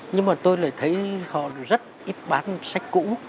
nhưng mà tôi lại thấy họ rất ít bán sách cũ